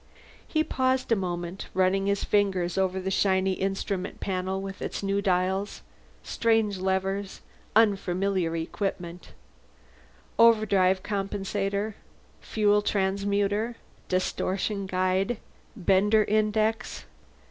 He paused a moment, running his fingers over the shiny instrument panel with its new dials, strange levers, unfamiliar instruments. Overdrive Compensator. Fuel Transmuter. Distortion Guide. Bender Index.